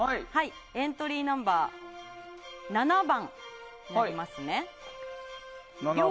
エントリーナンバー７番。